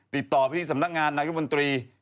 ติดต่อพิธีสำนักงานนักยุคมนตรี